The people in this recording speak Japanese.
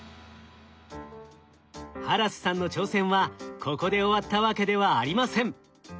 ハラスさんの挑戦はここで終わったわけではありません。